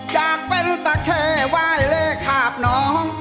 จากเป็นตะเข้ไหว้เลขาบน้อง